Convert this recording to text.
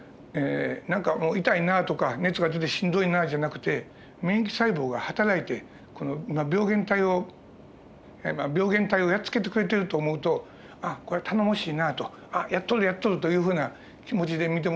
何かもう痛いなとか熱が出てしんどいなじゃなくて免疫細胞がはたらいてこの病原体を病原体をやっつけてくれてると思うとあっこれは頼もしいなとあっやっとるやっとるというふうな気持ちで見て